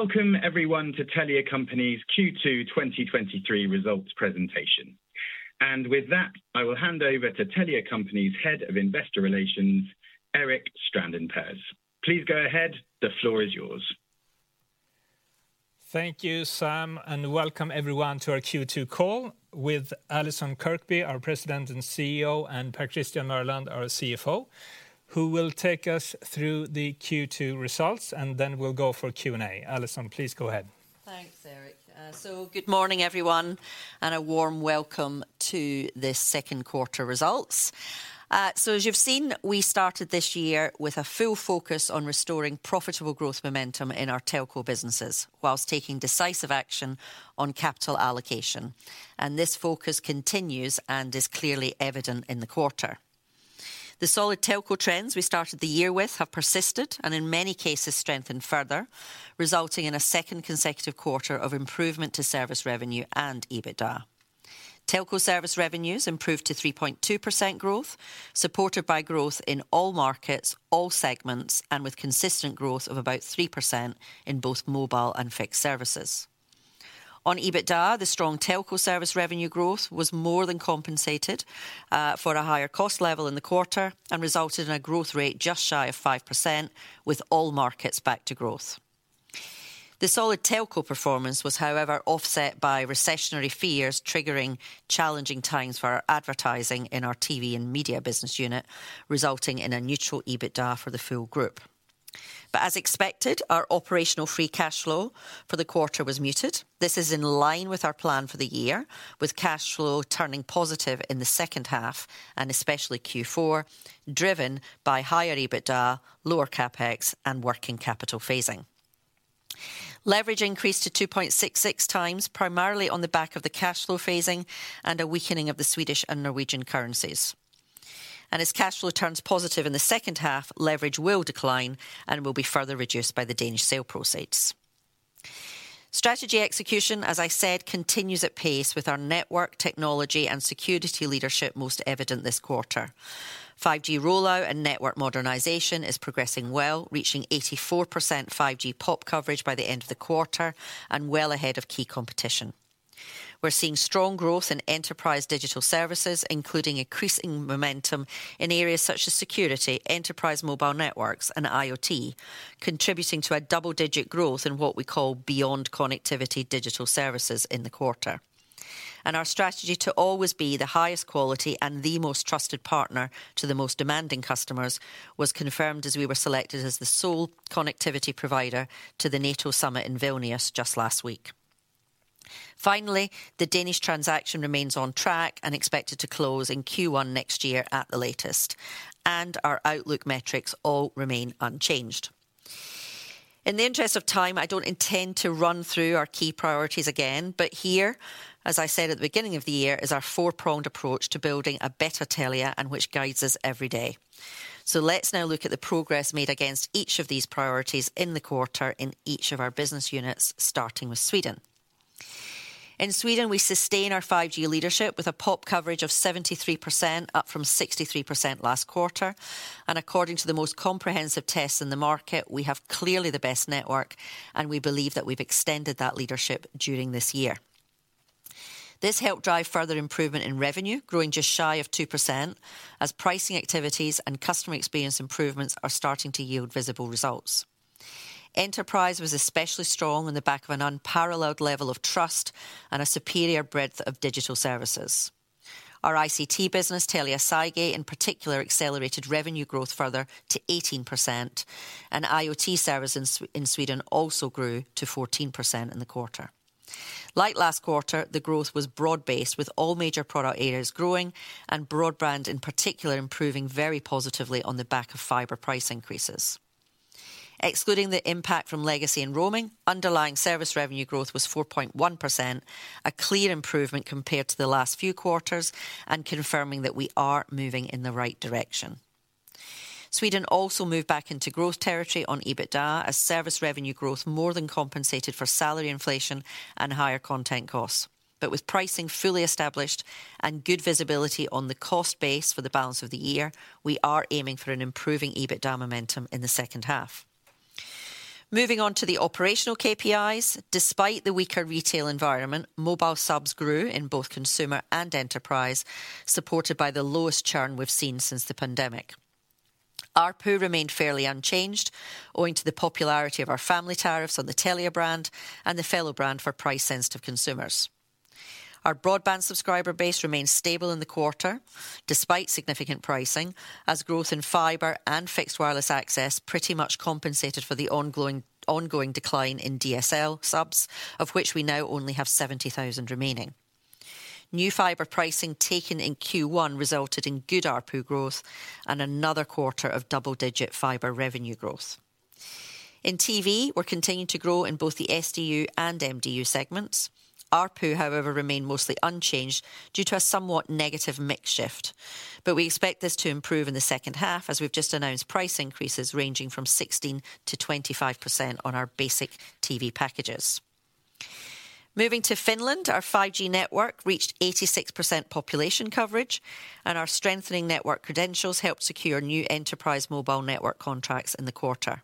Welcome everyone to Telia Company's Q2 2023 Results Presentation. With that, I will hand over to Telia Company's Head of Investor Relations, Erik Strandberg. Please go ahead. The floor is yours. Thank you, Sam, and welcome everyone to our Q2 call with Allison Kirkby, our President and CEO, and Per Christian Mørland, our CFO, who will take us through the Q2 results, and then we'll go for Q&A. Allison, please go ahead. Thanks, Erik. Good morning, everyone, and a warm welcome to this second quarter results. As you've seen, we started this year with a full focus on restoring profitable growth momentum in our telco businesses, whilst taking decisive action on capital allocation. This focus continues and is clearly evident in the quarter. The solid telco trends we started the year with have persisted, and in many cases strengthened further, resulting in a second consecutive quarter of improvement to service revenue and EBITDA. Telco service revenues improved to 3.2% growth, supported by growth in all markets, all segments, and with consistent growth of about 3% in both mobile and fixed services. On EBITDA, the strong telco service revenue growth was more than compensated for a higher cost level in the quarter and resulted in a growth rate just shy of 5%, with all markets back to growth. The solid telco performance was, however, offset by recessionary fears, triggering challenging times for our advertising in our TV and media business unit, resulting in a neutral EBITDA for the full group. As expected, our operational free cash flow for the quarter was muted. This is in line with our plan for the year, with cash flow turning positive in the second half and especially Q4, driven by higher EBITDA, lower CapEx, and working capital phasing. Leverage increased to 2.66x, primarily on the back of the cash flow phasing and a weakening of the Swedish and Norwegian currencies. As cash flow turns positive in the second half, leverage will decline and will be further reduced by the Danish sale proceeds. Strategy execution, as I said, continues at pace with our network, technology, and security leadership most evident this quarter. 5G rollout and network modernization is progressing well, reaching 84% 5G pop coverage by the end of the quarter and well ahead of key competition. We're seeing strong growth in enterprise digital services, including increasing momentum in areas such as security, enterprise mobile networks, and IoT, contributing to a double-digit growth in what we call beyond connectivity digital services in the quarter. Our strategy to always be the highest quality and the most trusted partner to the most demanding customers, was confirmed as we were selected as the sole connectivity provider to the NATO Summit in Vilnius just last week. The Danish transaction remains on track and expected to close in Q1 next year at the latest. Our outlook metrics all remain unchanged. In the interest of time, I don't intend to run through our key priorities again. Here, as I said at the beginning of the year, is our four-pronged approach to building a better Telia and which guides us every day. Let's now look at the progress made against each of these priorities in the quarter in each of our business units, starting with Sweden. In Sweden, we sustain our 5G leadership with a pop coverage of 73%, up from 63% last quarter. According to the most comprehensive tests in the market, we have clearly the best network. We believe that we've extended that leadership during this year. This helped drive further improvement in revenue, growing just shy of 2%, as pricing activities and customer experience improvements are starting to yield visible results. Enterprise was especially strong on the back of an unparalleled level of trust and a superior breadth of digital services. Our ICT business, Telia Cygate, in particular, accelerated revenue growth further to 18%, and IoT service in Sweden also grew to 14% in the quarter. Last quarter, the growth was broad-based, with all major product areas growing and broadband, in particular, improving very positively on the back of fiber price increases. Excluding the impact from legacy and roaming, underlying service revenue growth was 4.1%, a clear improvement compared to the last few quarters and confirming that we are moving in the right direction. Sweden also moved back into growth territory on EBITDA, as service revenue growth more than compensated for salary inflation and higher content costs. With pricing fully established and good visibility on the cost base for the balance of the year, we are aiming for an improving EBITDA momentum in the second half. Moving on to the operational KPIs, despite the weaker retail environment, mobile subs grew in both consumer and enterprise, supported by the lowest churn we've seen since the pandemic. ARPU remained fairly unchanged, owing to the popularity of our family tariffs on the Telia brand and the Fello brand for price-sensitive consumers. Our broadband subscriber base remained stable in the quarter, despite significant pricing, as growth in fiber and fixed wireless access pretty much compensated for the ongoing decline in DSL subs, of which we now only have 70,000 remaining. New fiber pricing taken in Q1 resulted in good ARPU growth and another quarter of double-digit fiber revenue growth. In TV, we're continuing to grow in both the SDU and MDU segments. ARPU, however, remained mostly unchanged due to a somewhat negative mix shift. We expect this to improve in the second half, as we've just announced price increases ranging from 16%-25% on our basic TV packages. Moving to Finland, our 5G network reached 86% population coverage, and our strengthening network credentials helped secure new enterprise mobile network contracts in the quarter.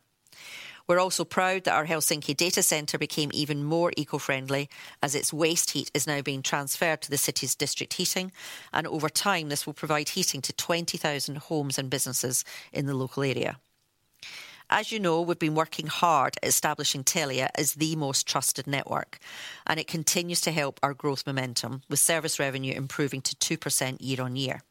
We're also proud that our Helsinki data center became even more eco-friendly, as its waste heat is now being transferred to the city's district heating. Over time, this will provide heating to 20,000 homes and businesses in the local area. As you know, we've been working hard at establishing Telia as the most trusted network, and it continues to help our growth momentum, with service revenue improving to 2% year-on-year.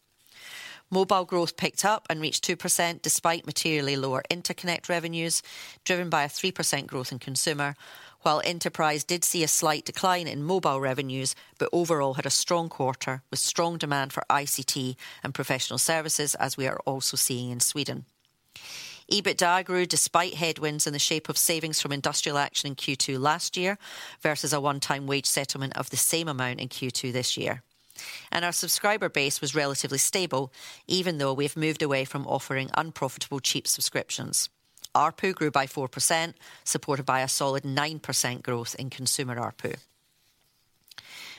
Mobile growth picked up and reached 2%, despite materially lower interconnect revenues, driven by a 3% growth in consumer. While enterprise did see a slight decline in mobile revenues, but overall had a strong quarter, with strong demand for ICT and professional services, as we are also seeing in Sweden. EBITDA grew, despite headwinds in the shape of savings from industrial action in Q2 last year, versus a one-time wage settlement of the same amount in Q2 this year. Our subscriber base was relatively stable, even though we have moved away from offering unprofitable cheap subscriptions. ARPU grew by 4%, supported by a solid 9% growth in consumer ARPU.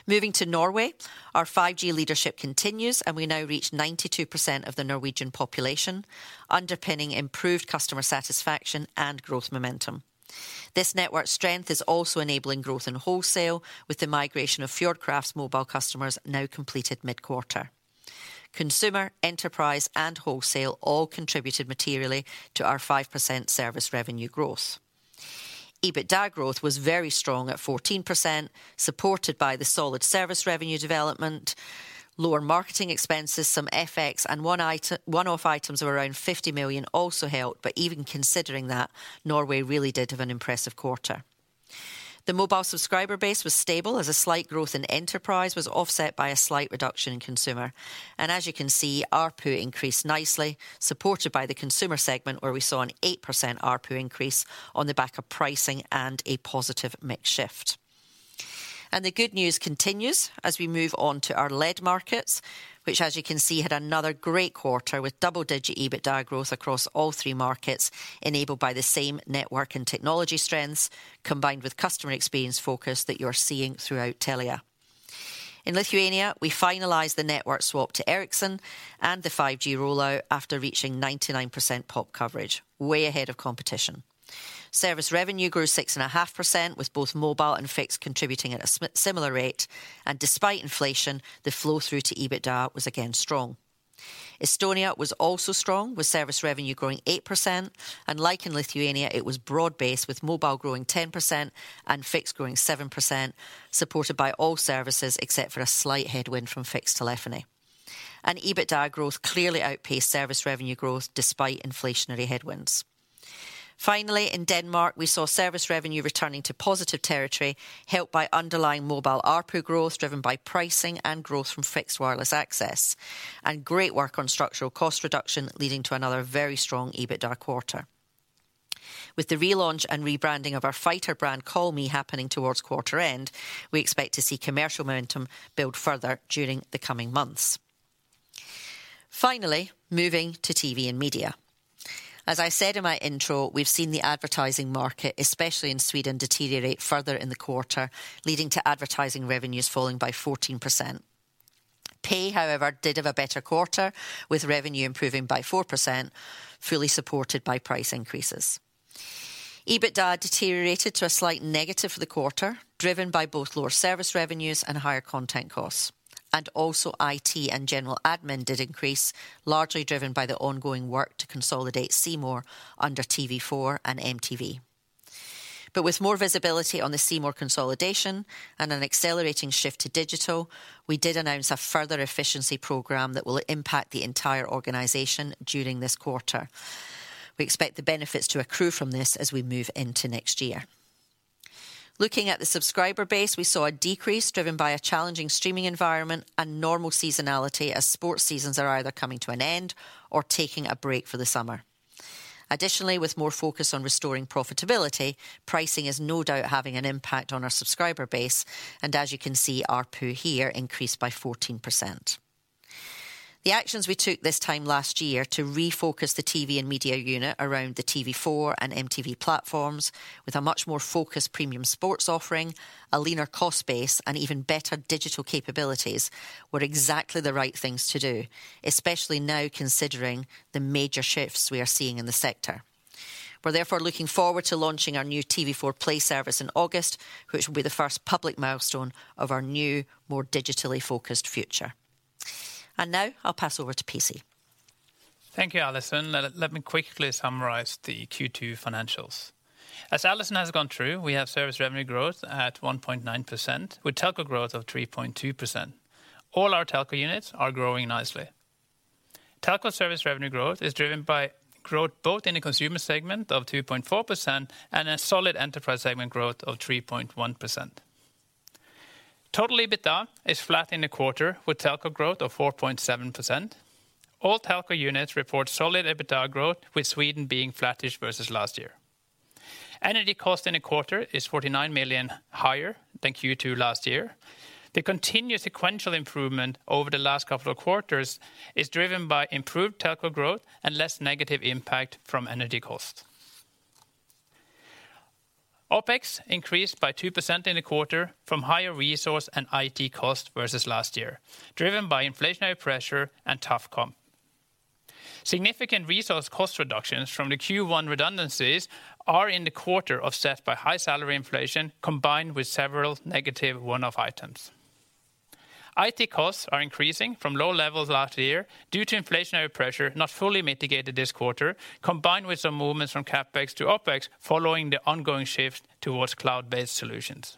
Moving to Norway, our 5G leadership continues. We now reach 92% of the Norwegian population, underpinning improved customer satisfaction and growth momentum. This network strength is also enabling growth in wholesale, with the migration of Fjordkraft's mobile customers now completed mid-quarter. Consumer, enterprise, and wholesale all contributed materially to our 5% service revenue growth. EBITDA growth was very strong at 14%, supported by the solid service revenue development, lower marketing expenses, some FX and one-off items of around 50 million also helped. Even considering that, Norway really did have an impressive quarter. The mobile subscriber base was stable, as a slight growth in enterprise was offset by a slight reduction in consumer. As you can see, ARPU increased nicely, supported by the consumer segment, where we saw an 8% ARPU increase on the back of pricing and a positive mix shift. The good news continues as we move on to our lead markets, which, as you can see, had another great quarter, with double-digit EBITDA growth across all three markets, enabled by the same network and technology strengths, combined with customer experience focus that you're seeing throughout Telia. In Lithuania, we finalized the network swap to Ericsson and the 5G rollout after reaching 99% pop coverage, way ahead of competition. Service revenue grew 6.5%, with both mobile and fixed contributing at a similar rate, and despite inflation, the flow-through to EBITDA was again strong. Estonia was also strong, with service revenue growing 8%, and like in Lithuania, it was broad-based, with mobile growing 10% and fixed growing 7%, supported by all services except for a slight headwind from fixed telephony. EBITDA growth clearly outpaced service revenue growth, despite inflationary headwinds. In Denmark, we saw service revenue returning to positive territory, helped by underlying mobile ARPU growth, driven by pricing and growth from fixed wireless access, and great work on structural cost reduction, leading to another very strong EBITDA quarter. With the relaunch and rebranding of our fighter brand, Call me, happening towards quarter end, we expect to see commercial momentum build further during the coming months. Moving to TV and media. As I said in my intro, we've seen the advertising market, especially in Sweden, deteriorate further in the quarter, leading to advertising revenues falling by 14%. Pay, however, did have a better quarter, with revenue improving by 4%, fully supported by price increases. EBITDA deteriorated to a slight negative for the quarter, driven by both lower service revenues and higher content costs. IT and general admin did increase, largely driven by the ongoing work to consolidate C More under TV4 and MTV. With more visibility on the C More consolidation and an accelerating shift to digital, we did announce a further efficiency program that will impact the entire organization during this quarter. We expect the benefits to accrue from this as we move into next year. Looking at the subscriber base, we saw a decrease driven by a challenging streaming environment and normal seasonality, as sports seasons are either coming to an end or taking a break for the summer. Additionally, with more focus on restoring profitability, pricing is no doubt having an impact on our subscriber base, and as you can see, ARPU here increased by 14%. The actions we took this time last year to refocus the TV and media unit around the TV4 and MTV platforms, with a much more focused premium sports offering, a leaner cost base, and even better digital capabilities, were exactly the right things to do, especially now, considering the major shifts we are seeing in the sector. We're therefore looking forward to launching our new TV4 Play service in August, which will be the first public milestone of our new, more digitally focused future. Now I'll pass over to PC. Thank you, Allison. Let me quickly summarize the Q2 financials. As Allison has gone through, we have service revenue growth at 1.9%, with telco growth of 3.2%. All our telco units are growing nicely. Telco service revenue growth is driven by growth both in the consumer segment of 2.4% and a solid enterprise segment growth of 3.1%. Total EBITDA is flat in the quarter, with telco growth of 4.7%. All telco units report solid EBITDA growth, with Sweden being flattish versus last year. Energy cost in the quarter is 49 million higher than Q2 last year. The continuous sequential improvement over the last couple of quarters is driven by improved telco growth and less negative impact from energy costs. OpEx increased by 2% in the quarter from higher resource and IT costs versus last year, driven by inflationary pressure and tough comp. Significant resource cost reductions from the Q1 redundancies are in the quarter offset by high salary inflation, combined with several negative one-off items. IT costs are increasing from low levels last year due to inflationary pressure not fully mitigated this quarter, combined with some movements from CapEx to OpEx, following the ongoing shift towards cloud-based solutions.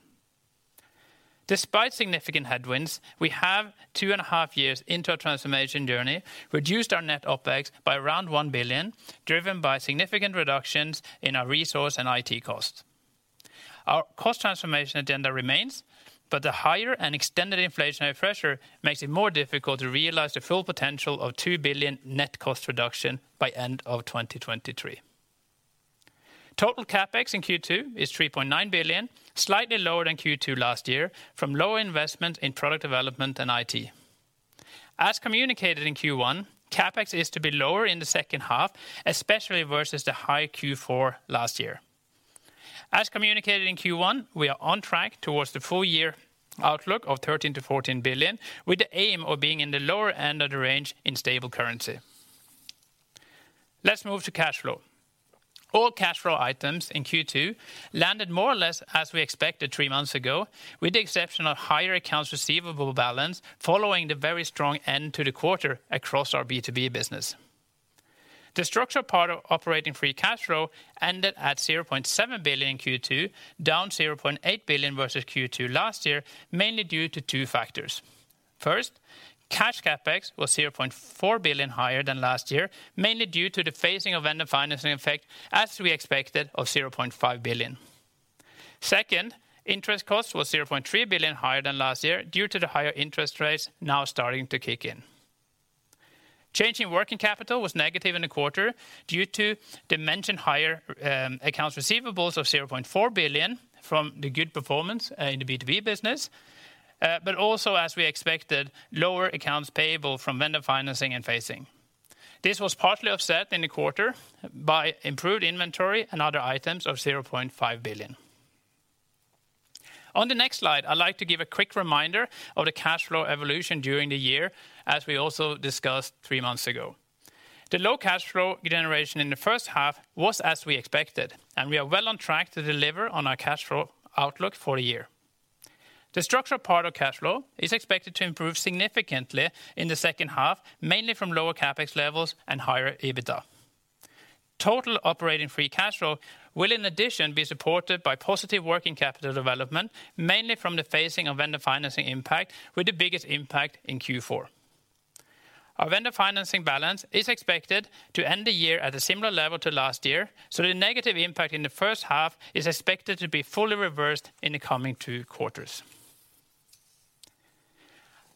Despite significant headwinds, we have two and a half years into our transformation journey, reduced our net OpEx by around 1 billion, driven by significant reductions in our resource and IT costs. Our cost transformation agenda remains, the higher and extended inflationary pressure makes it more difficult to realize the full potential of 2 billion net cost reduction by end of 2023. Total CapEx in Q2 is 3.9 billion, slightly lower than Q2 last year, from lower investment in product development and IT. As communicated in Q1, CapEx is to be lower in the second half, especially versus the high Q4 last year. As communicated in Q1, we are on track towards the full year outlook of 13 billion-14 billion, with the aim of being in the lower end of the range in stable currency. Let's move to cash flow. All cash flow items in Q2 landed more or less as we expected three months ago, with the exception of higher accounts receivable balance, following the very strong end to the quarter across our B2B business. The structure part of operating free cash flow ended at 0.7 billion in Q2, down 0.8 billion versus Q2 last year, mainly due to two factors. First, cash CapEx was 0.4 billion higher than last year, mainly due to the phasing of vendor financing effect, as we expected, of 0.5 billion. Second, interest costs were 0.3 billion higher than last year due to the higher interest rates now starting to kick in. Change in working capital was negative in the quarter due to the mentioned higher accounts receivables of 0.4 billion from the good performance in the B2B business, but also, as we expected, lower accounts payable from vendor financing and phasing. This was partly offset in the quarter by improved inventory and other items of 0.5 billion. On the next slide, I'd like to give a quick reminder of the cash flow evolution during the year, as we also discussed three months ago. The low cash flow generation in the first half was as we expected, and we are well on track to deliver on our cash flow outlook for the year. The structural part of cash flow is expected to improve significantly in the second half, mainly from lower CapEx levels and higher EBITDA. Total operating free cash flow will, in addition, be supported by positive working capital development, mainly from the phasing of vendor financing impact, with the biggest impact in Q4. Our vendor financing balance is expected to end the year at a similar level to last year, so the negative impact in the first half is expected to be fully reversed in the coming two quarters.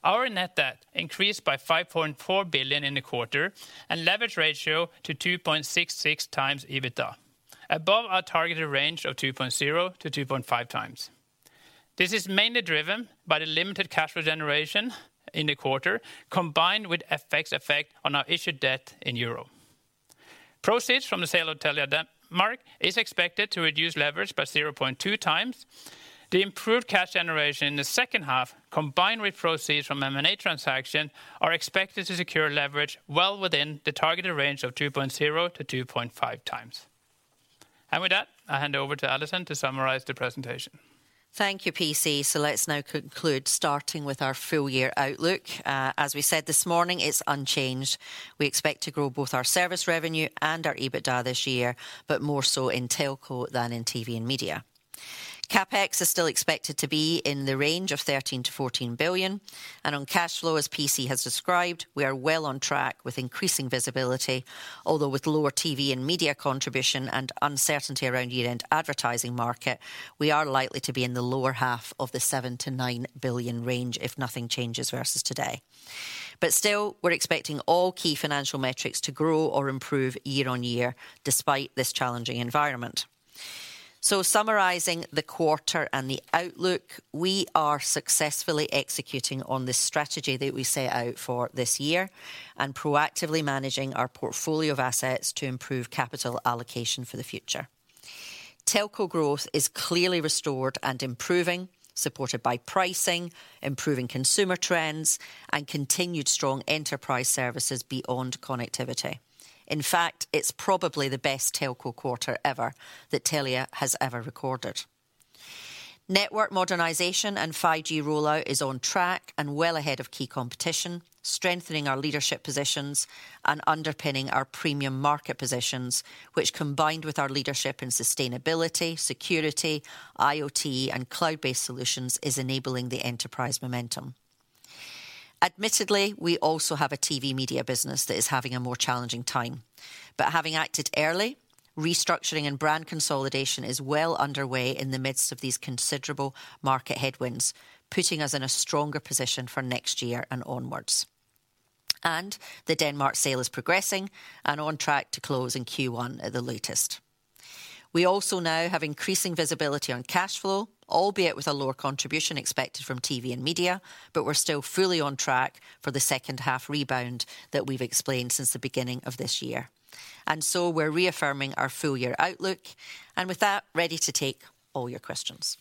Our net debt increased by 5.4 billion in the quarter, and leverage ratio to 2.66x EBITDA, above our targeted range of 2.0x-2.5x. This is mainly driven by the limited cash flow generation in the quarter, combined with FX effect on our issued debt in Euro. Proceeds from the sale of Telia Denmark is expected to reduce leverage by 0.2x. The improved cash generation in the second half, combined with proceeds from M&A transaction, are expected to secure leverage well within the targeted range of 2.0x-2.5x. With that, I hand over to Allison to summarize the presentation. Thank you, PC. Let's now conclude, starting with our full year outlook. As we said this morning, it's unchanged. We expect to grow both our service revenue and our EBITDA this year, but more so in telco than in TV and media. CapEx is still expected to be in the range of 13 billion-14 billion, and on cash flow, as PC has described, we are well on track with increasing visibility. Although with lower TV and media contribution and uncertainty around year-end advertising market, we are likely to be in the lower half of the 7 billion-9 billion range if nothing changes versus today. Still, we're expecting all key financial metrics to grow or improve year-on-year, despite this challenging environment. Summarizing the quarter and the outlook, we are successfully executing on the strategy that we set out for this year and proactively managing our portfolio of assets to improve capital allocation for the future. Telco growth is clearly restored and improving, supported by pricing, improving consumer trends, and continued strong enterprise services beyond connectivity. In fact, it's probably the best telco quarter ever that Telia has ever recorded. Network modernization and 5G rollout is on track and well ahead of key competition, strengthening our leadership positions and underpinning our premium market positions, which combined with our leadership in sustainability, security, IoT, and cloud-based solutions, is enabling the enterprise momentum. Admittedly, we also have a TV media business that is having a more challenging time. Having acted early, restructuring and brand consolidation is well underway in the midst of these considerable market headwinds, putting us in a stronger position for next year and onwards. The Denmark sale is progressing and on track to close in Q1 at the latest. We also now have increasing visibility on cash flow, albeit with a lower contribution expected from TV and media, but we're still fully on track for the second half rebound that we've explained since the beginning of this year. We're reaffirming our full year outlook, and with that, ready to take all your questions.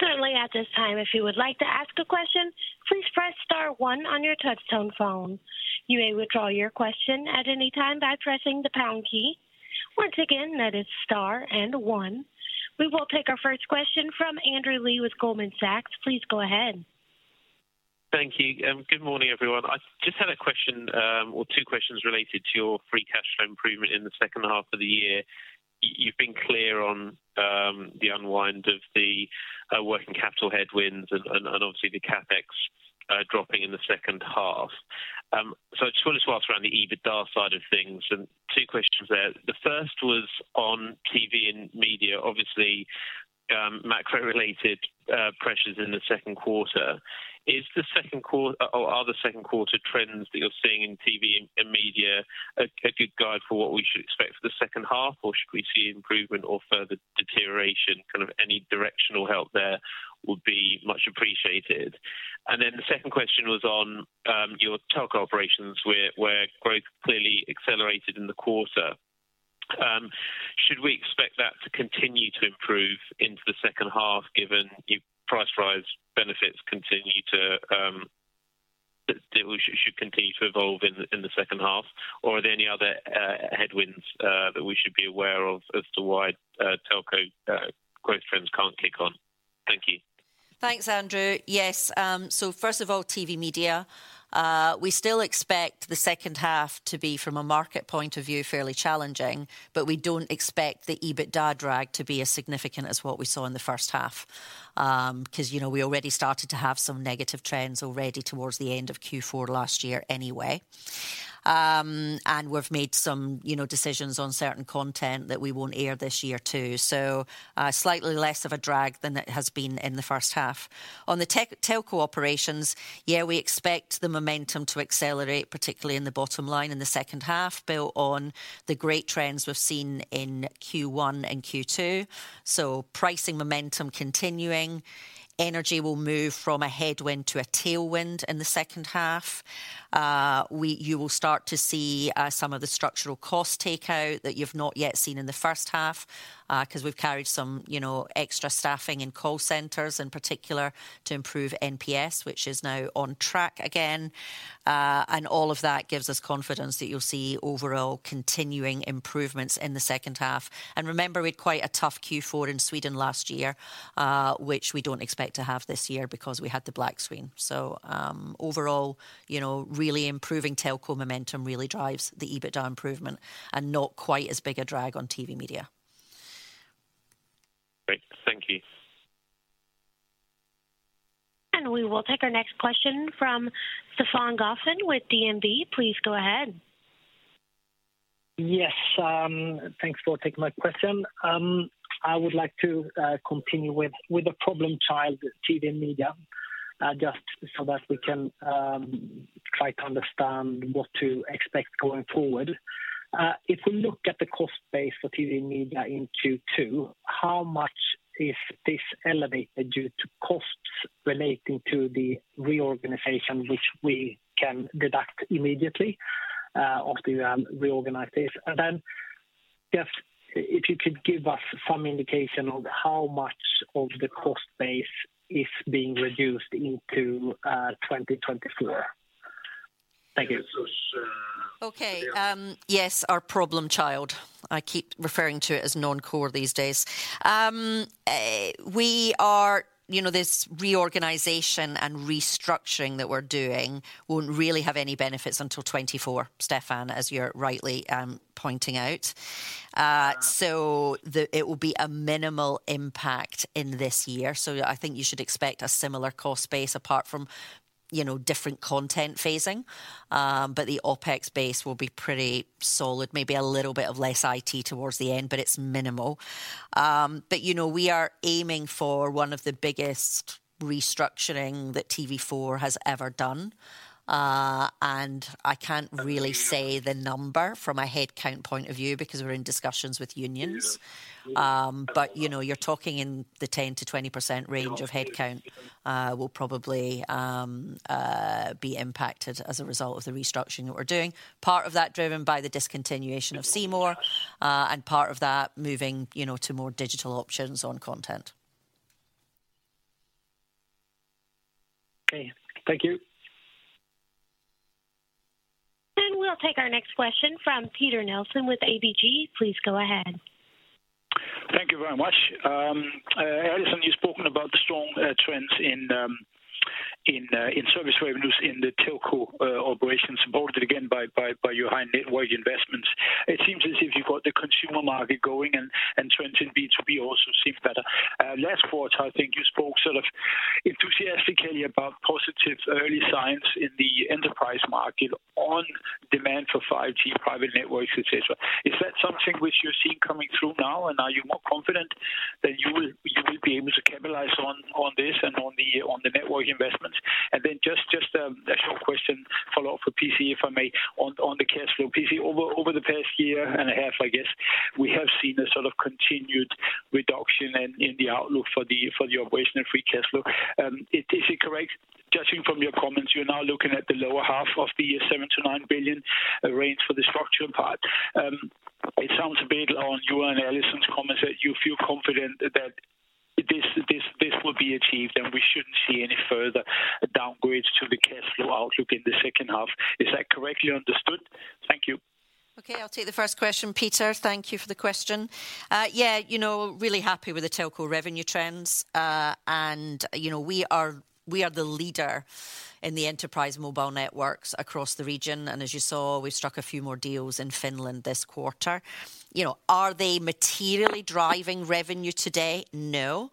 Certainly, at this time, if you would like to ask a question, please press star one on your touch tone phone. You may withdraw your question at any time by pressing the pound key. Once again, that is star and one. We will take our first question from Andrew Lee with Goldman Sachs. Please go ahead. Thank you. Good morning, everyone. I just had a question, or two questions related to your free cash flow improvement in the second half of the year. You've been clear on the unwind of the working capital headwinds and, obviously, the CapEx dropping in the second half. I just want to ask around the EBITDA side of things, and two questions there. The first was on TV and media, obviously, macro-related pressures in the second quarter. Are the second quarter trends that you're seeing in TV and media a good guide for what we should expect for the second half, or should we see improvement or further deterioration? Kind of any directional help there would be much appreciated. The second question was on your telco operations, where growth clearly accelerated in the quarter. Should we expect that to continue to improve into the second half, given your price rise benefits continue to evolve in the second half? Are there any other headwinds that we should be aware of as to why telco growth trends can't kick on? Thank you. Thanks, Andrew. Yes, first of all, TV media. We still expect the second half to be, from a market point of view, fairly challenging, but we don't expect the EBITDA drag to be as significant as what we saw in the first half. 'Cause, you know, we already started to have some negative trends already towards the end of Q4 last year anyway. We've made some, you know, decisions on certain content that we won't air this year, too. Slightly less of a drag than it has been in the first half. On the telco operations, yeah, we expect the momentum to accelerate, particularly in the bottom line in the second half, built on the great trends we've seen in Q1 and Q2. Pricing momentum continuing. Energy will move from a headwind to a tailwind in the second half. You will start to see some of the structural cost takeout that you've not yet seen in the first half, 'cause we've carried some, you know, extra staffing in call centers, in particular, to improve NPS, which is now on track again. All of that gives us confidence that you'll see overall continuing improvements in the second half. Remember, we had quite a tough Q4 in Sweden last year, which we don't expect to have this year because we had the black screen. Overall, you know, really improving telco momentum really drives the EBITDA improvement, and not quite as big a drag on TV media. Great. Thank you. We will take our next question from Stefan Gauffin with DNB. Please go ahead. Yes, thanks for taking my question. I would like to continue with the problem child, TV and media, just so that we can try to understand what to expect going forward. If we look at the cost base for TV and media in Q2, how much is this elevated due to costs relating to the reorganization, which we can deduct immediately after you reorganize this? Just if you could give us some indication of how much of the cost base is being reduced into 2024. Thank you. Okay, yes, our problem child. I keep referring to it as non-core these days. You know, this reorganization and restructuring that we're doing won't really have any benefits until 2024, Stefan, as you're rightly pointing out. So it will be a minimal impact in this year, so I think you should expect a similar cost base apart from, you know, different content phasing. The OpEx base will be pretty solid, maybe a little bit of less IT towards the end, but it's minimal. You know, we are aiming for one of the biggest restructuring that TV4 has ever done, and I can't really say the number from a headcount point of view, because we're in discussions with unions. You know, you're talking in the 10%-20% range of headcount, will probably be impacted as a result of the restructuring that we're doing. Part of that driven by the discontinuation of C More, and part of that moving, you know, to more digital options on content. Okay. Thank you. We'll take our next question from Peter Nielsen with ABG. Please go ahead. Thank you very much. Allison, you've spoken about the strong trends in service revenues in the telco operations, supported again by your high network investments. It seems as if you've got the consumer market going and trends in B2B also seem better. Last quarter, I think you spoke sort of enthusiastically about positive early signs in the enterprise market on demand for 5G private networks, et cetera. Is that something which you're seeing coming through now, and are you more confident we'll be able to capitalize on this and on the network investments? Just a short question, follow up for PC, if I may, on the cash flow. PC, over the past year and a half, I guess, we have seen a sort of continued reduction in the outlook for the operational free cash flow. Is it correct, judging from your comments, you're now looking at the lower half of the year 7 billion-9 billion range for the structural part? It sounds a bit on you and Allison's comments that you feel confident that this will be achieved, and we shouldn't see any further downgrades to the cash flow outlook in the second half. Is that correctly understood? Thank you. Okay, I'll take the first question, Peter. Thank you for the question. Yeah, you know, really happy with the telco revenue trends. You know, we are, we are the leader in the enterprise mobile networks across the region, and as you saw, we struck a few more deals in Finland this quarter. You know, are they materially driving revenue today? No.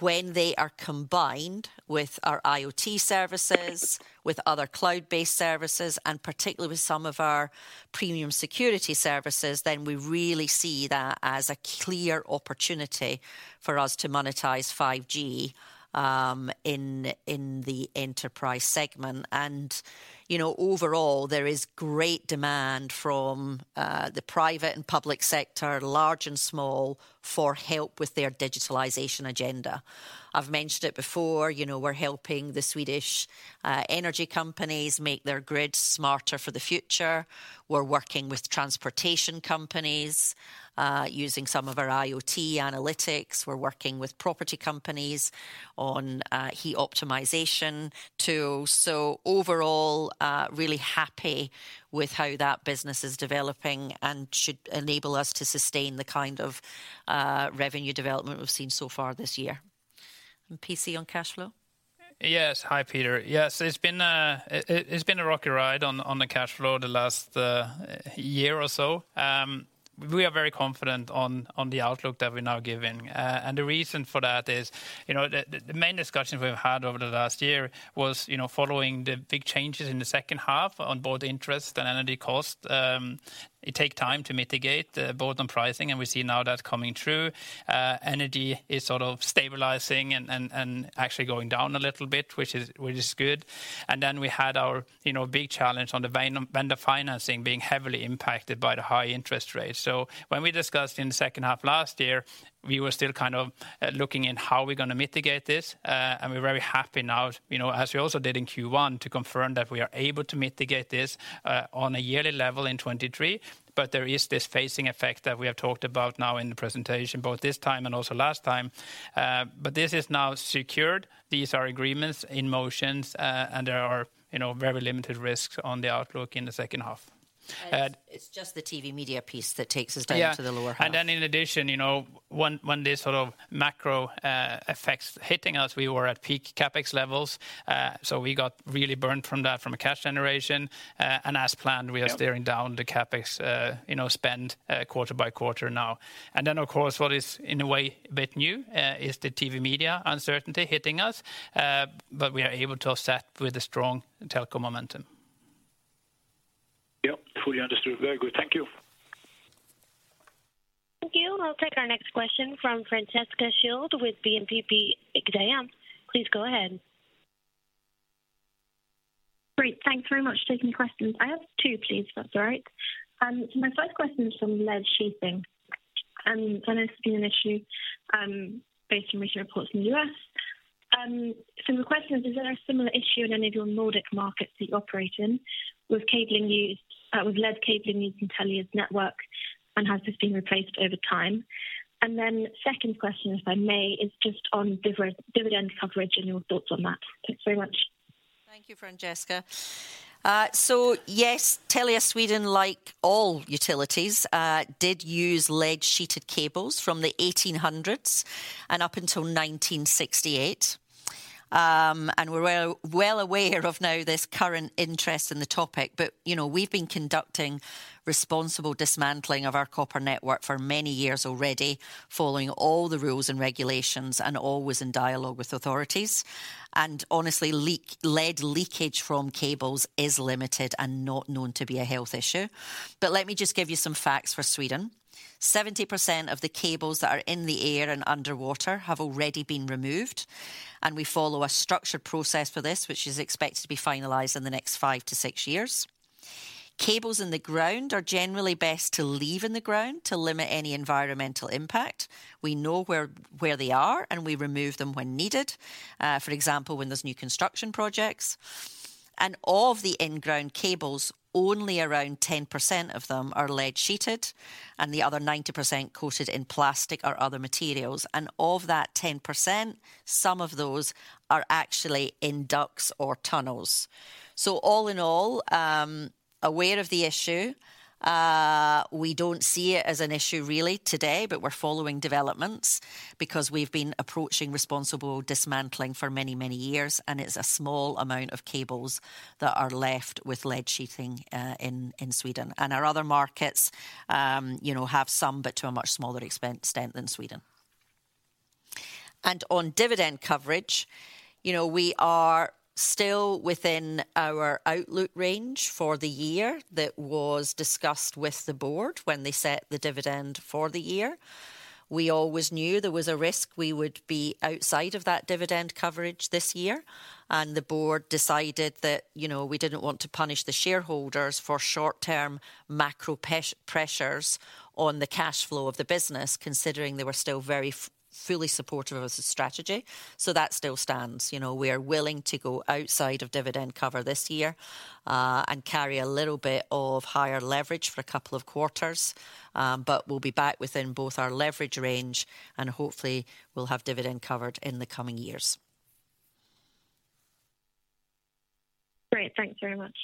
When they are combined with our IoT services, with other cloud-based services, and particularly with some of our premium security services, then we really see that as a clear opportunity for us to monetize 5G in the enterprise segment. You know, overall, there is great demand from the private and public sector, large and small, for help with their digitalization agenda. I've mentioned it before, you know, we're helping the Swedish energy companies make their grid smarter for the future. We're working with transportation companies, using some of our IoT analytics. We're working with property companies on heat optimization too. Overall, really happy with how that business is developing and should enable us to sustain the kind of revenue development we've seen so far this year. PC, on cash flow? Yes. Hi, Peter. Yes, it's been a rocky ride on the cash flow the last year or so. We are very confident on the outlook that we're now giving. The reason for that is, you know, the main discussions we've had over the last year was, you know, following the big changes in the second half on both interest and energy cost. It take time to mitigate both on pricing, we see now that coming through. Energy is sort of stabilizing and actually going down a little bit, which is good. Then we had our, you know, big challenge on the vendor financing being heavily impacted by the high interest rates. When we discussed in the second half last year, we were still kind of looking in how we're gonna mitigate this. We're very happy now, you know, as we also did in Q1, to confirm that we are able to mitigate this on a yearly level in 2023. There is this phasing effect that we have talked about now in the presentation, both this time and also last time. This is now secured. These are agreements in motion, and there are, you know, very limited risks on the outlook in the second half. It's just the TV media piece that takes us down to the lower half. Yeah. In addition, you know, when this sort of macro effects hitting us, we were at peak CapEx levels. We got really burnt from that from a cash generation. As planned, we are steering down the CapEx, you know, spend quarter by quarter now. Of course, what is in a way a bit new, is the TV media uncertainty hitting us, we are able to offset with the strong telco momentum. Yep, fully understood. Very good. Thank you. Thank you. I'll take our next question from Francesca Schild with BNP Paribas Exane. Please go ahead. Great. Thanks very much for taking questions. I have two, please, if that's all right. My first question is from lead-sheathed, and it's been an issue, based on recent reports in the U.S. The question is there a similar issue in any of your Nordic markets that you operate in, with lead cabling used in Telia's network, and has this been replaced over time? Second question, if I may, is just on dividend coverage and your thoughts on that. Thanks very much. Thank you, Francesca. Yes, Telia Sweden, like all utilities, did use lead-sheathed cables from the 1800s and up until 1968. We're well aware of now this current interest in the topic, but, you know, we've been conducting responsible dismantling of our copper network for many years already, following all the rules and regulations, and always in dialogue with authorities. Honestly, lead leakage from cables is limited and not known to be a health issue. Let me just give you some facts for Sweden. 70% of the cables that are in the air and underwater have already been removed, and we follow a structured process for this, which is expected to be finalized in the next five to six years. Cables in the ground are generally best to leave in the ground to limit any environmental impact. We know where they are, we remove them when needed, for example, when there's new construction projects. Of the in-ground cables, only around 10% of them are lead sheeted, and the other 90% coated in plastic or other materials. Of that 10%, some of those are actually in ducts or tunnels. All in all, aware of the issue, we don't see it as an issue really today, but we're following developments because we've been approaching responsible dismantling for many, many years, and it's a small amount of cables that are left with lead sheathing in Sweden. Our other markets, you know, have some, but to a much smaller extent than Sweden. On dividend coverage, you know, we are still within our outlook range for the year that was discussed with the board when they set the dividend for the year. We always knew there was a risk we would be outside of that dividend coverage this year, and the board decided that, you know, we didn't want to punish the shareholders for short term macro pressures on the cash flow of the business, considering they were still very fully supportive of the strategy. That still stands. You know, we are willing to go outside of dividend cover this year, and carry a little bit of higher leverage for a couple of quarters. We'll be back within both our leverage range, and hopefully we'll have dividend covered in the coming years. Great, thanks very much.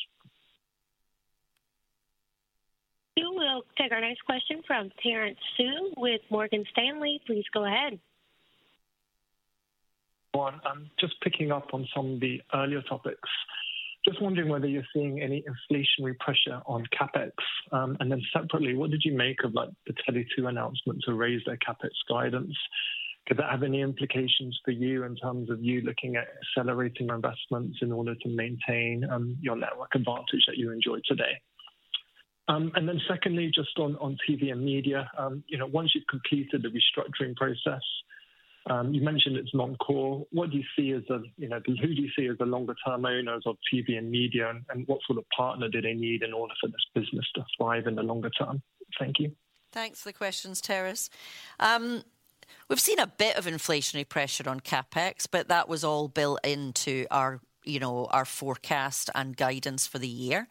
We will take our next question from Terence Tsui with Morgan Stanley. Please go ahead. I'm just picking up on some of the earlier topics. Just wondering whether you're seeing any inflationary pressure on CapEx. Separately, what did you make of, like, the Tele2 announcement to raise their CapEx guidance? Could that have any implications for you in terms of you looking at accelerating investments in order to maintain your network advantage that you enjoy today? Secondly, just on TV and media. You know, once you've completed the restructuring process, you mentioned it's non-core. What do you see as the, you know, who do you see as the longer term owners of TV and media, and what sort of partner do they need in order for this business to thrive in the longer term? Thank you. Thanks for the questions, Terence. We've seen a bit of inflationary pressure on CapEx, but that was all built into our, you know, our forecast and guidance for the year.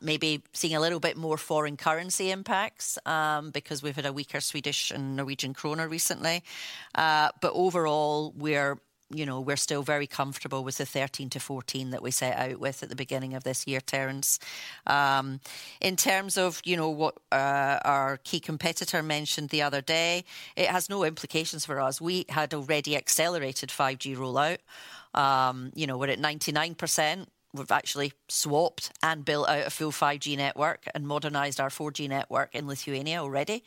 Maybe seeing a little bit more foreign currency impacts, because we've had a weaker Swedish and Norwegian kroner recently. Overall, we're, you know, we're still very comfortable with the 13%-14% that we set out with at the beginning of this year, Terence. In terms of, you know, what, our key competitor mentioned the other day, it has no implications for us. We had already accelerated 5G rollout. you know, we're at 99%. We've actually swapped and built out a full 5G network and modernized our 4G network in Lithuania already.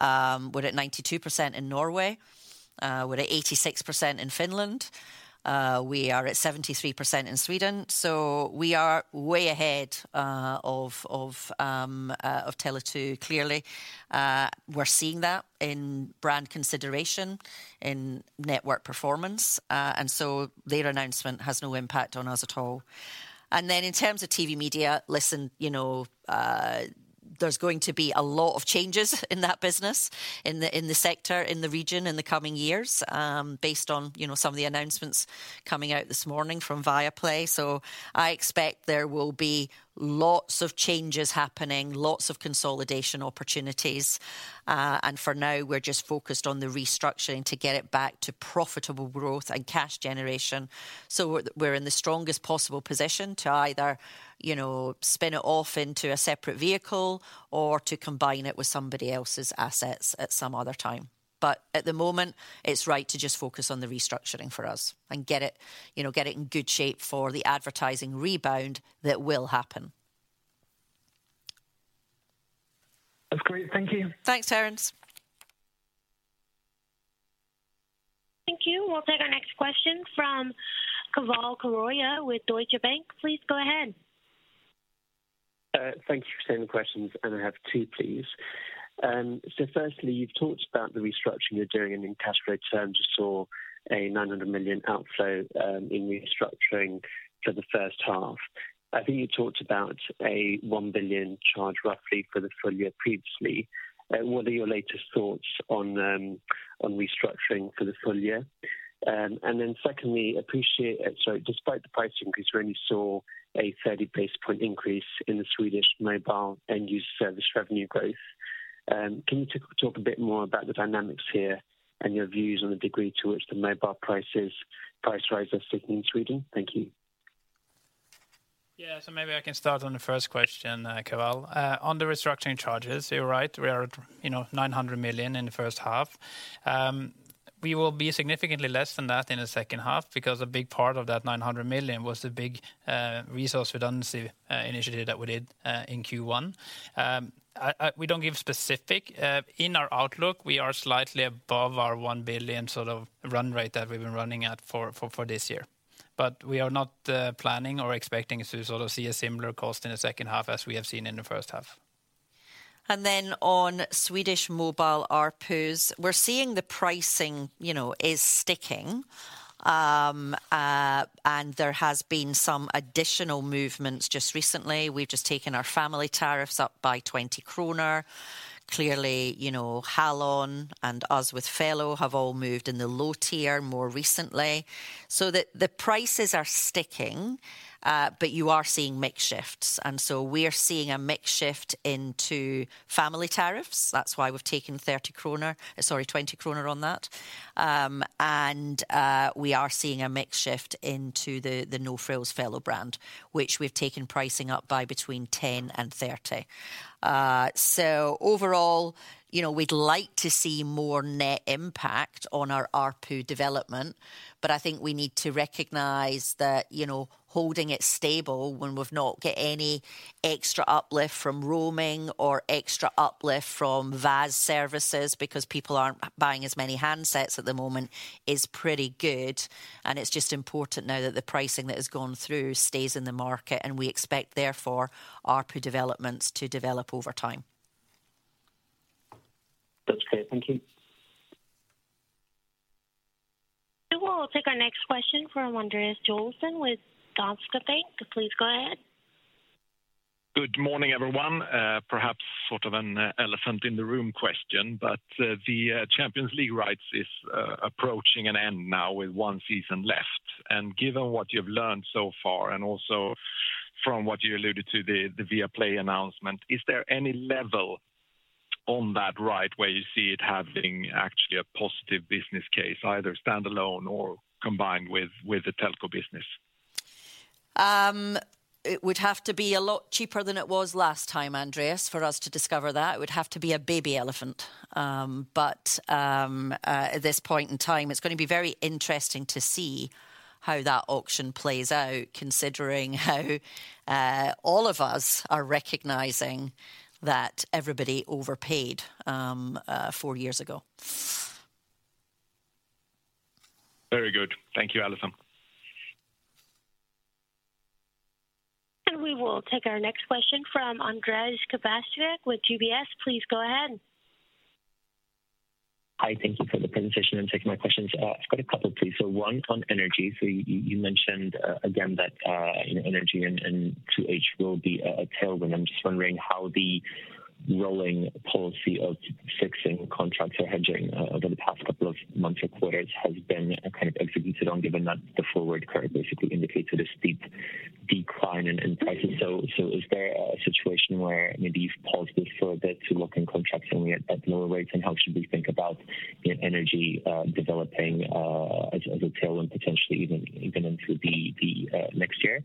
We're at 92% in Norway. We're at 86% in Finland. We are at 73% in Sweden. We are way ahead of Tele2, clearly. We're seeing that in brand consideration, in network performance, and so their announcement has no impact on us at all. In terms of TV media, listen, you know, there's going to be a lot of changes in that business, in the sector, in the region in the coming years, based on, you know, some of the announcements coming out this morning from Viaplay. I expect there will be lots of changes happening, lots of consolidation opportunities. For now, we're just focused on the restructuring to get it back to profitable growth and cash generation. We're in the strongest possible position to either, you know, spin it off into a separate vehicle or to combine it with somebody else's assets at some other time. At the moment, it's right to just focus on the restructuring for us and get it, you know, get it in good shape for the advertising rebound that will happen. That's great. Thank you. Thanks, Terence. Thank you. We'll take our next question from Keval Khiroya with Deutsche Bank. Please go ahead. Thank you for taking the questions, and I have two, please. Firstly, you've talked about the restructuring you're doing, and in cash flow terms, you saw a 900 million outflow in restructuring for the first half. I think you talked about a 1 billion charge, roughly, for the full year previously. What are your latest thoughts on restructuring for the full year? Secondly, appreciate it. Despite the pricing, because we only saw a 30 basis point increase in the Swedish mobile end user service revenue growth. Can you talk a bit more about the dynamics here and your views on the degree to which the mobile prices, price rises stick in Sweden? Thank you. Yeah. Maybe I can start on the first question, Keval. On the restructuring charges, you're right, we are at, you know, 900 million in the first half. We will be significantly less than that in the second half because a big part of that 900 million was the big resource redundancy initiative that we did in Q1. We don't give specific. In our outlook, we are slightly above our 1 billion sort of run rate that we've been running at for this year. We are not planning or expecting to sort of see a similar cost in the second half as we have seen in the first half. On Swedish mobile ARPUs, we're seeing the pricing, you know, is sticking. There has been some additional movements just recently. We've just taken our family tariffs up by 20 kronor. Clearly, you know, Hallon and us with Fello have all moved in the low tier more recently. The prices are sticking. You are seeing mix shifts. We are seeing a mix shift into family tariffs. That's why we've taken 30 kronor, sorry, 20 kronor on that. We are seeing a mix shift into the no-frills Fello brand, which we've taken pricing up by between 10 and 30. Overall, you know, we'd like to see more net impact on our ARPU development, I think we need to recognize that, you know, holding it stable when we've not got any extra uplift from roaming or extra uplift from VAS services because people aren't buying as many handsets at the moment, is pretty good. It's just important now that the pricing that has gone through stays in the market, and we expect, therefore, ARPU developments to develop over time. That's great. Thank you. We will take our next question from Andreas Joelsson with Danske Bank. Please go ahead. Good morning, everyone. Perhaps sort of an elephant in the room question, but the Champions League rights is approaching an end now with one season left. Given what you've learned so far, and also from what you alluded to the Viaplay announcement, is there any level on that right where you see it having actually a positive business case, either standalone or combined with the telco business? It would have to be a lot cheaper than it was last time, Andreas, for us to discover that. It would have to be a baby elephant. At this point in time, it's gonna be very interesting to see how that auction plays out, considering how all of us are recognizing that everybody overpaid four years ago. Very good. Thank you, Allison. We will take our next question from Ondrej Cabejsek with UBS. Please go ahead. Hi, thank you for the presentation, thanks for my questions. I've got a couple, please. One on energy. You mentioned again that, you know, energy and 2H will be a tailwind. I'm just wondering how the rolling policy of fixing contracts or hedging over the past couple of months or quarters has been kind of executed on, given that the forward curve basically indicates at a steep decline in prices. Is there a situation where maybe you've paused this for a bit to look in contracts and we are at lower rates, and how should we think about, you know, energy developing as a tailwind, potentially even into the next year?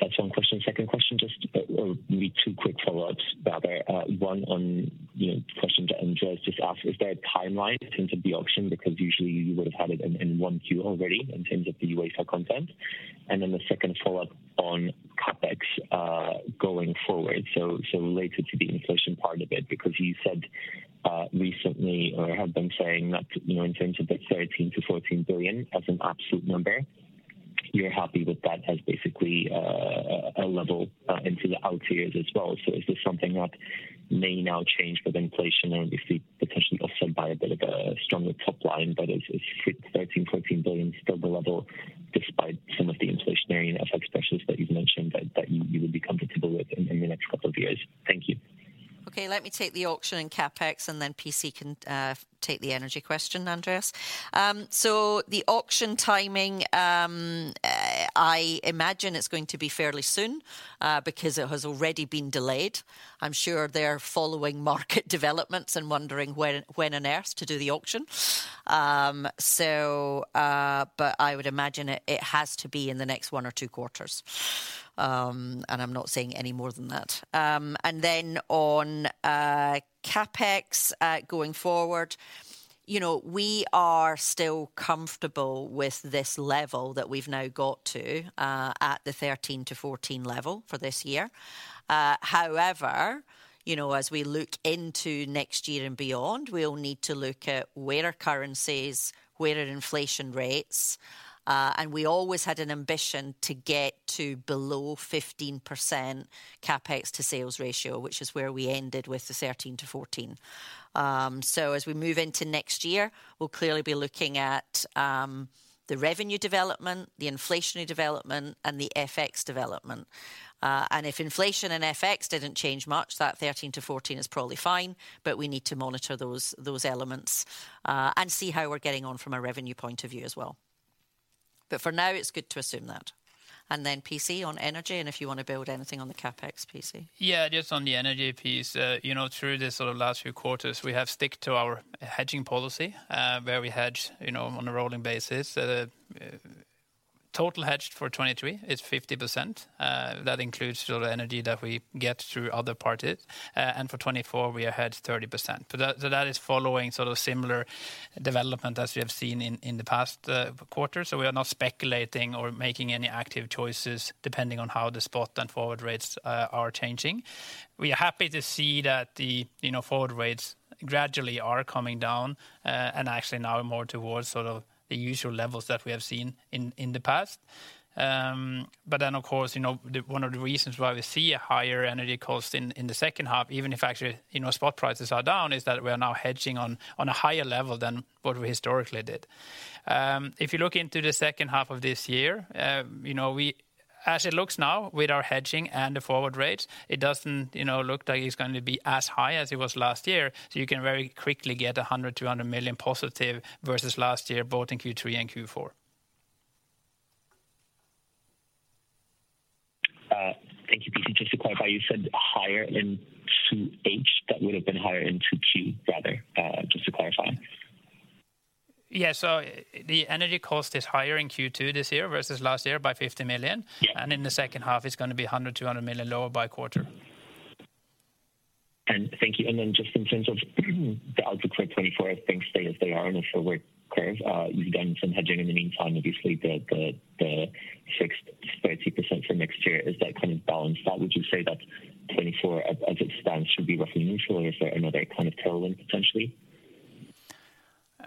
That's one question. Second question, just or maybe two quick follow-ups, rather. One on, you know, question that Andreas just asked, is there a timeline in terms of the auction? Usually you would have had it in one queue already in terms of the UEFA content. The second follow-up on CapEx going forward, so related to the inflation part of it. You said recently or have been saying that, you know, in terms of the 13 billion-14 billion as an absolute number, you're happy with that as basically a level into the out years as well. Is this something that may now change with inflation or we see potentially offset by a bit of a stronger top line, but is 13 billion-14 billion still the level, despite some of the inflationary and FX pressures that you've mentioned, that you would be comfortable with in the next couple of years? Thank you. Let me take the auction and CapEx, then PC can take the energy question, Ondrej. The auction timing, I imagine it's going to be fairly soon, because it has already been delayed. I'm sure they're following market developments and wondering when on earth to do the auction. I would imagine it has to be in the next one or two quarters. I'm not saying any more than that. Then on CapEx going forward, you know, we are still comfortable with this level that we've now got to, at the 13 to 14 level for this year. However, you know, as we look into next year and beyond, we'll need to look at where are currencies, where are inflation rates, and we always had an ambition to get to below 15% CapEx to sales ratio, which is where we ended with the 13%-14%. So as we move into next year, we'll clearly be looking at the revenue development, the inflationary development, and the FX development. And if inflation and FX didn't change much, that 13%-14% is probably fine, but we need to monitor those elements, and see how we're getting on from a revenue point of view as well. But for now, it's good to assume that. Then PC on energy, and if you want to build anything on the CapEx, PC. Yeah, just on the energy piece, you know, through this sort of last few quarters, we have stuck to our hedging policy, where we hedge, you know, on a rolling basis. Total hedged for 2023 is 50%. That includes sort of energy that we get through other parties. For 2024, we are hedged 30%. That is following sort of similar development as we have seen in the past quarters. We are not speculating or making any active choices, depending on how the spot and forward rates are changing. We are happy to see that the, you know, forward rates gradually are coming down, and actually now more towards sort of the usual levels that we have seen in the past. Of course, you know, the, one of the reasons why we see a higher energy cost in the second half, even if actually, you know, spot prices are down, is that we are now hedging on a higher level than what we historically did. If you look into the second half of this year, you know, as it looks now with our hedging and the forward rates, it doesn't, you know, look like it's going to be as high as it was last year. You can very quickly get 100 million-200 million positive versus last year, both in Q3 and Q4. Thank you. PC, just to clarify, you said higher in 2H, that would have been higher in 2Q, rather, just to clarify? Yeah, the energy cost is higher in Q2 this year versus last year by 50 million. Yeah. In the second half, it's gonna be 100 million-200 million lower by quarter. Thank you. Just in terms of the outlook for 2024, I think, stay as they are on the forward curve. You've done some hedging in the meantime, obviously, the fixed 30% for next year, is that kind of balanced? How would you say that 2024 as it stands, should be roughly neutral, or is there another kind of tailwind, potentially?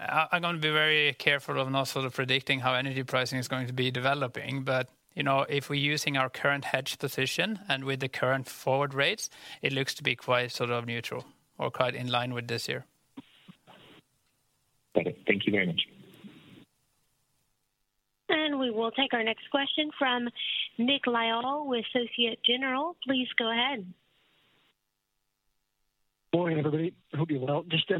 I'm gonna be very careful of not sort of predicting how energy pricing is going to be developing. You know, if we're using our current hedge position and with the current forward rates, it looks to be quite sort of neutral or quite in line with this year. Okay. Thank you very much.... We will take our next question from Nick Lyall with Société Générale. Please go ahead. Morning, everybody. Hope you're well. Just a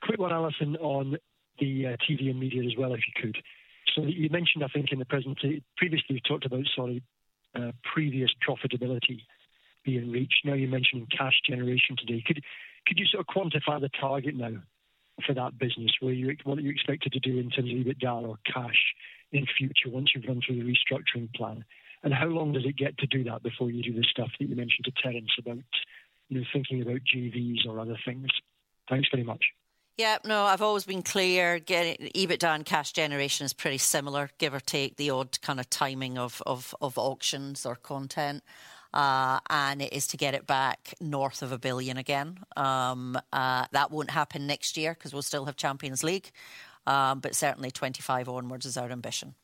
quick one, Allison, on the TV and media as well, if you could. You mentioned, I think previously, you talked about, sorry, previous profitability being reached. Now you're mentioning cash generation today. Could you sort of quantify the target now for that business? What do you expect it to do in terms of EBITDA or cash in future once you've gone through the restructuring plan? How long does it get to do that before you do the stuff that you mentioned to Terence about, you know, thinking about JVs or other things? Thanks very much. No, I've always been clear, getting EBITDA and cash generation is pretty similar, give or take, the odd kind of timing of auctions or content. It is to get it back north of 1 billion again. That won't happen next year 'cause we'll still have Champions League, but certainly 2025 onwards is our ambition.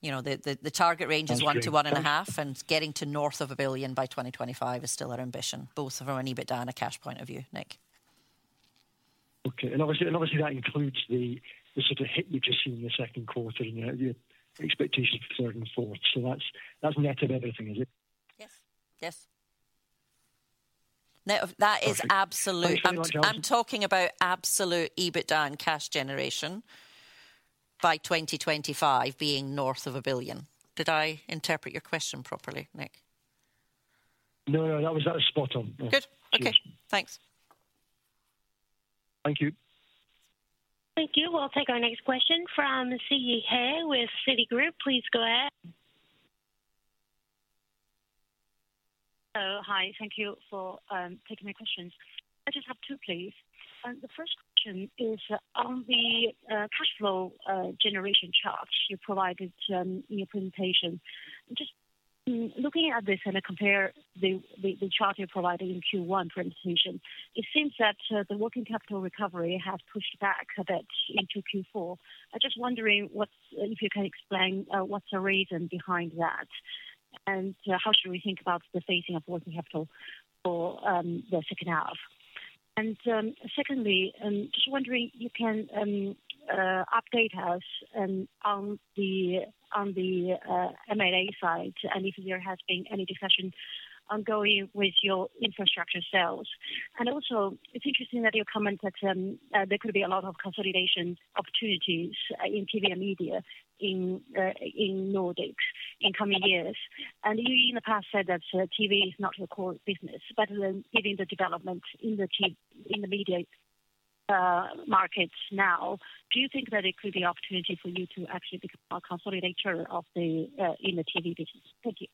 You know, the target range- Thank you. is 1 billion-1.5 billion, and getting to north of 1 billion by 2025 is still our ambition, both from an EBITDA and a cash point of view, Nick. Okay. Obviously that includes the sort of hit we've just seen in the second quarter and your expectations for third and fourth. That's net of everything, is it? Yes. Yes. That is absolute. Okay. Thank you very much, Allison. I'm talking about absolute EBITDA and cash generation by 2025 being north of 1 billion. Did I interpret your question properly, Nick? No, no, that was spot on. Yeah. Good. Okay. Thanks. Thank you. Thank you. We'll take our next question from Siyi He with Citigroup. Please go ahead. Hi, thank you for taking my questions. I just have two, please. The first question is on the cash flow generation charts you provided in your presentation. Just looking at this and compare the chart you provided in Q1 presentation, it seems that the working capital recovery has pushed back a bit into Q4. I'm just wondering if you can explain what's the reason behind that, and how should we think about the phasing of working capital for the second half? Secondly, just wondering if you can update us on the M&A side, and if there has been any discussion ongoing with your infrastructure sales. It's interesting that you commented, there could be a lot of consolidation opportunities in TV and media in Nordics in coming years. You, in the past, said that TV is not your core business, given the development in the media, markets now, do you think that it could be an opportunity for you to actually become a consolidator of the in the TV business? Thank you.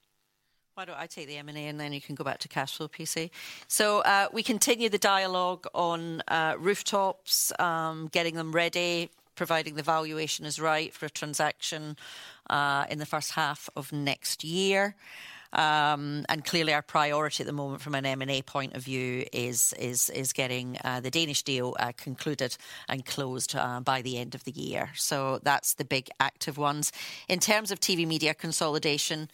Why don't I take the M&A, and then you can go back to cash flow, PC? We continue the dialogue on rooftops, getting them ready, providing the valuation is right for a transaction in the first half of next year. And clearly, our priority at the moment from an M&A point of view is getting the Danish deal concluded and closed by the end of the year. That's the big active ones. In terms of TV media consolidation,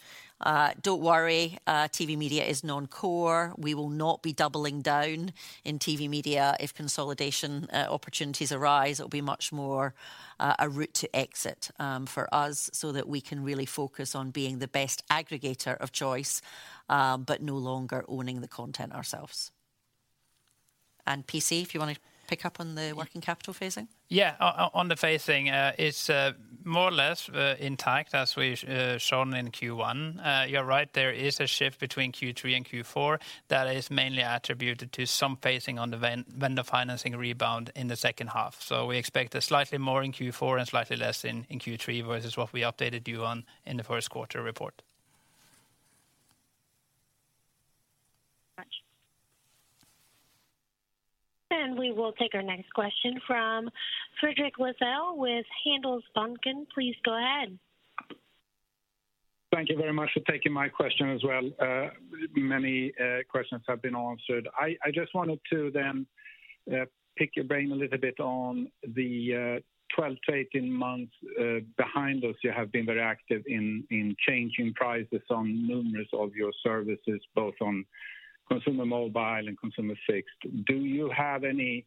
don't worry, TV media is non-core. We will not be doubling down in TV media. If consolidation opportunities arise, it'll be much more a route to exit for us, so that we can really focus on being the best aggregator of choice, but no longer owning the content ourselves. PC, if you want to pick up on the working capital phasing. Yeah. On the phasing, it's more or less intact as we've shown in Q1. You're right, there is a shift between Q3 and Q4 that is mainly attributed to some phasing on the vendor financing rebound in the second half. We expect a slightly more in Q4 and slightly less in Q3 versus what we updated you on in the first quarter report. Thanks. We will take our next question from Fredrik Lithell with Handelsbanken. Please go ahead. Thank you very much for taking my question as well. Many questions have been answered. I just wanted to then pick your brain a little bit on the 12 to 18 months behind us. You have been very active in changing prices on numerous of your services, both on consumer mobile and consumer fixed. Do you have any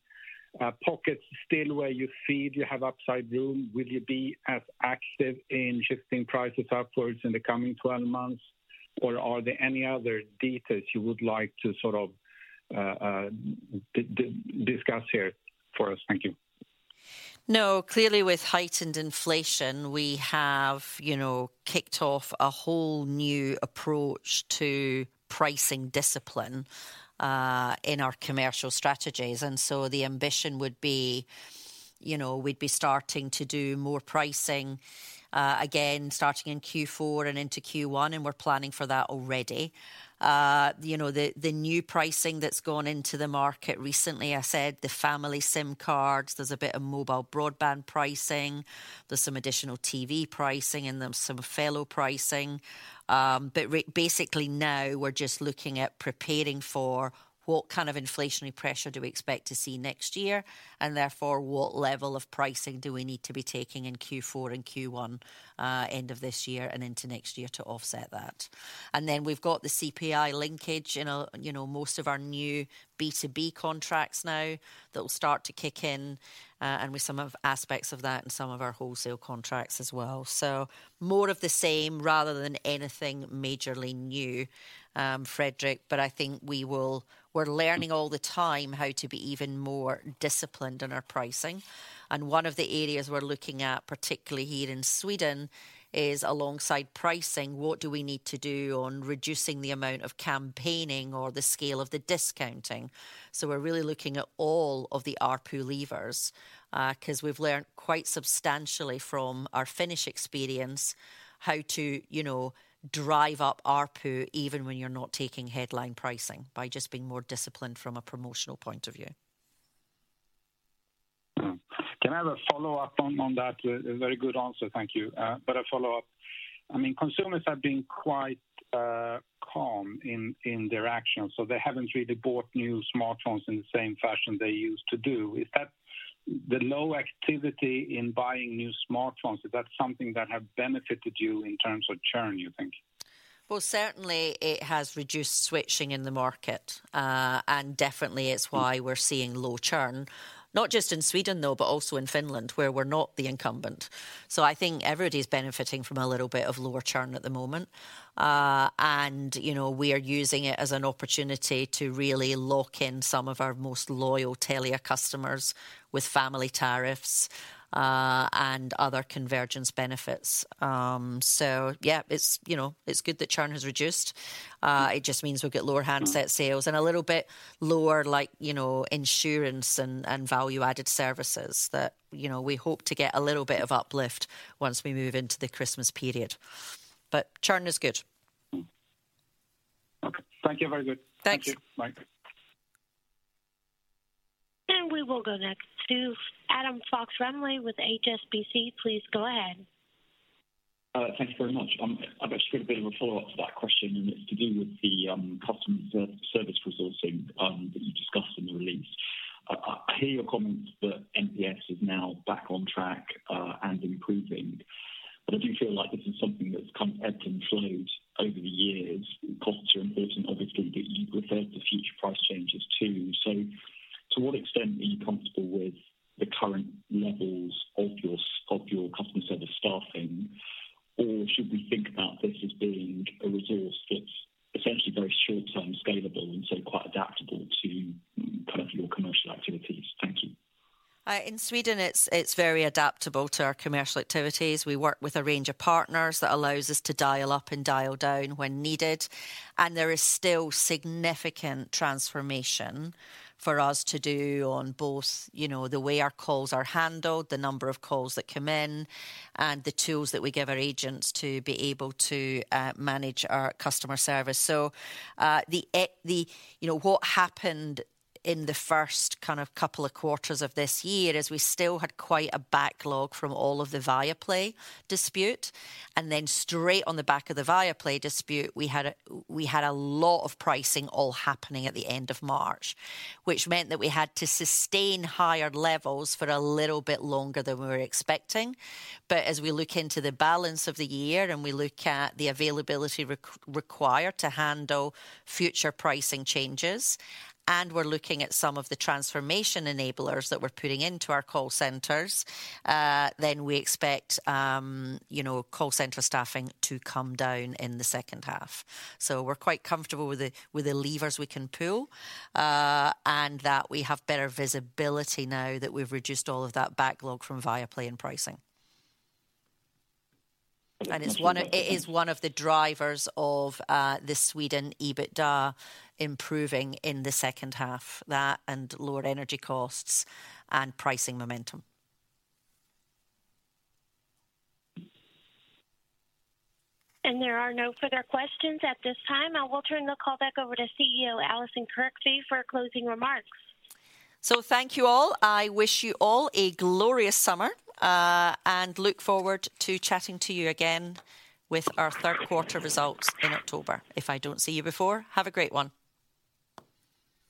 pockets still where you feel you have upside room? Will you be as active in shifting prices upwards in the coming 12 months, or are there any other details you would like to sort of discuss here for us? Thank you. Clearly, with heightened inflation, we have, you know, kicked off a whole new approach to pricing discipline in our commercial strategies. The ambition, you know, we'd be starting to do more pricing again, starting in Q4 and into Q1, and we're planning for that already. You know, the new pricing that's gone into the market recently, I said the family SIM cards, there's a bit of mobile broadband pricing, there's some additional TV pricing, and there's some Othello pricing. Basically now we're just looking at preparing for what kind of inflationary pressure do we expect to see next year, and therefore, what level of pricing do we need to be taking in Q4 and Q1 end of this year and into next year to offset that. Then we've got the CPI linkage in a, you know, most of our new B2B contracts now, that will start to kick in, and with some of aspects of that and some of our wholesale contracts as well. More of the same rather than anything majorly new, Fredrik, but I think we're learning all the time how to be even more disciplined in our pricing. One of the areas we're looking at, particularly here in Sweden, is alongside pricing, what do we need to do on reducing the amount of campaigning or the scale of the discounting? We're really looking at all of the ARPU levers, 'cause we've learned quite substantially from our Finnish experience how to, you know, drive up ARPU even when you're not taking headline pricing, by just being more disciplined from a promotional point of view. Can I have a follow-up on that? A very good answer. Thank you. A follow-up. I mean, consumers have been quite calm in their actions, so they haven't really bought new smartphones in the same fashion they used to do. Is that the low activity in buying new smartphones, is that something that have benefited you in terms of churn, you think? Well, certainly it has reduced switching in the market, and definitely it's why we're seeing low churn. Not just in Sweden, though, but also in Finland, where we're not the incumbent. I think everybody's benefiting from a little bit of lower churn at the moment. You know, we are using it as an opportunity to really lock in some of our most loyal Telia customers with family tariffs, and other convergence benefits. Yeah, it's, you know, it's good that churn has reduced. It just means we'll get lower handset sales and a little bit lower, like, you know, insurance and value-added services that, you know, we hope to get a little bit of uplift once we move into the Christmas period. Churn is good. Okay, thank you. Very good. Thanks. Thank you. Bye. We will go next to Adam Fox-Rumley with HSBC. Please go ahead. Thank you very much. I've just got a bit of a follow-up to that question, and it's to do with the customer service resourcing that you discussed in the release. I hear your comments that NPS is now back on track and improving, but I do feel like this is something that's come, ebbed and flowed over the years. Costs are important, obviously, but you referred to future price changes, too. To what extent are you comfortable with the current levels of your, of your customer service staffing? Or should we think about this as being a resource that's essentially very short-term scalable, and so quite adaptable to kind of your commercial activities? Thank you. In Sweden, it's very adaptable to our commercial activities. We work with a range of partners that allows us to dial up and dial down when needed, and there is still significant transformation for us to do on both, you know, the way our calls are handled, the number of calls that come in, and the tools that we give our agents to be able to manage our customer service. The, you know, what happened in the first kind of couple of quarters of this year is we still had quite a backlog from all of the Viaplay dispute, and then straight on the back of the Viaplay dispute, we had a lot of pricing all happening at the end of March, which meant that we had to sustain higher levels for a little bit longer than we were expecting. As we look into the balance of the year, and we look at the availability required to handle future pricing changes, and we're looking at some of the transformation enablers that we're putting into our call centers, then we expect, you know, call center staffing to come down in the second half. We're quite comfortable with the, with the levers we can pull, and that we have better visibility now that we've reduced all of that backlog from Viaplay and pricing. Okay. it is one of the drivers of the Sweden EBITDA improving in the second half, that and lower energy costs and pricing momentum. There are no further questions at this time. I will turn the call back over to CEO, Allison Kirkby, for closing remarks. Thank you, all. I wish you all a glorious summer, and look forward to chatting to you again with our third quarter results in October. If I don't see you before, have a great one.